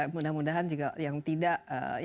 mudah mudahan juga yang tidak